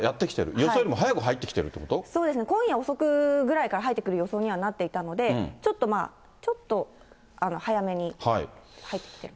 予想よりも早く入ってきてるってそうですね、今夜遅くぐらいから入ってくる予想にはなっていたので、ちょっと早めに入ってきてるかなと。